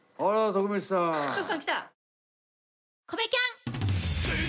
徳さんきた？